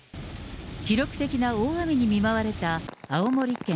記録的な大雨に見舞われた青森県。